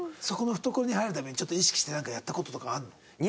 そこの懐に入るためにちょっと意識してなんかやった事とかあるの？